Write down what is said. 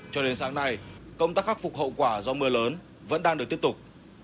cho đến sáng nay công tác khắc phục hậu quả do mưa lớn vẫn đang được tiếp tục